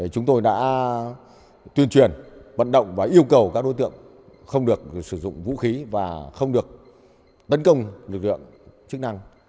chúng tôi đã tuyên truyền vận động và yêu cầu các đối tượng không được sử dụng vũ khí và không được tấn công lực lượng chức năng